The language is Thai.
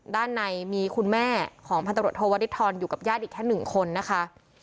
ด้านในมีคุณแม่ของพันตรวจโทวริทรอยู่กับญาติอีกแค่๑คนนะคะ